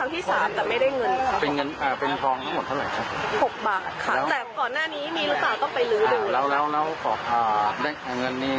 ตอนนั้นก็ตาม๗๑๐๐๐บาทค่ะ